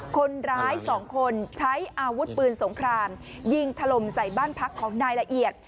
คนร้ายสองคนใช้อาวุธปืนสงครามยิงถล่มใส่บ้านพักของนายละเอียด